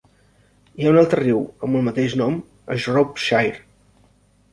Hi ha un altre riu amb el mateix nom a Shropshire.